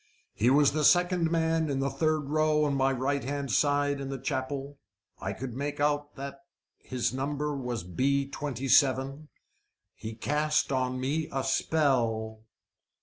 He was the second man in the third row on my right hand side in chapel. I could make out that his number was B 27. He cast on me a spell."